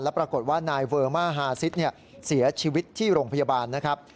ปรากฏว่านายเวอร์มาฮาซิสเสียชีวิตที่โรงพยาบาลนะครับ